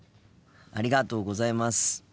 ありがとうございます。